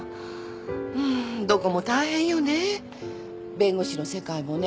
弁護士の世界もね